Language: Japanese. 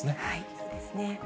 そうですね。